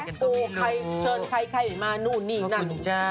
ก็โปรเชิญใครมานู่นนี่นั่น